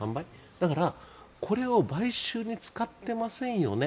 だからこれを買収に使ってませんよね